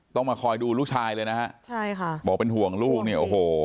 ต้องมาคอยดูลูกชายเลยนะฮะบอกเป็นห่วงลูกเนี่ย